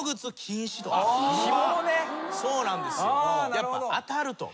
やっぱ当たると。